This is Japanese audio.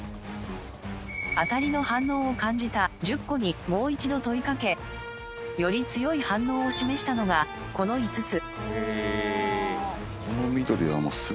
あたりの反応を感じた１０個にもう一度問いかけより強い反応を示したのがこの５つ。